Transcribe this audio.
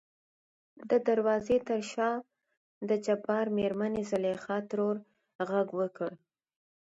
د دروازې تر شا دجبار مېرمنې زليخا ترور غږ وکړ .